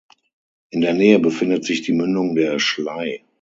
In der Nähe befindet sich die Mündung der Schlei.